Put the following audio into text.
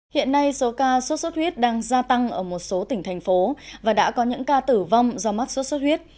hiện nay số ca sốt xuất huyết đang gia tăng ở một số tỉnh thành phố và đã có những ca tử vong do mắc sốt xuất huyết